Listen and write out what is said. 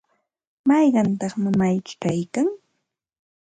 ¿mayqantaq mamayki kaykan?